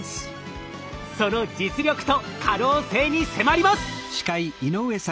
その実力と可能性に迫ります！